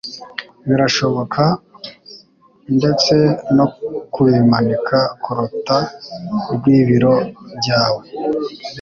birashoboka ndetse no kubimanika kurukuta rwibiro byawe